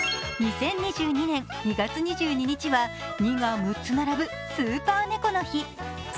２０２２年２月２２日は２が６つ並ぶスーパー猫の日。